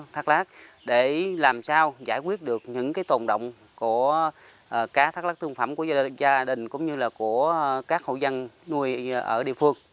thác lát để làm sao giải quyết được những tồn động của cá thác lát thương phẩm của gia đình cũng như là của các hộ dân nuôi ở địa phương